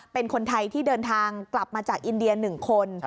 เป็นคนไทยที่เดินทางกลับมาจากอินเดีย๑คน